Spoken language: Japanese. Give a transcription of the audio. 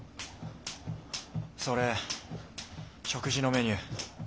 それ食事のメニュー。